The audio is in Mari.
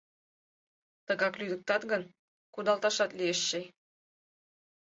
Тыгак лӱдыктат гын, кудалташат лиеш чай?